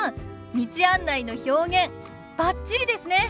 道案内の表現バッチリですね！